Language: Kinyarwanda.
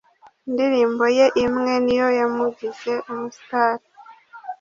Indirimbo ye imwe niyo yamugize umustare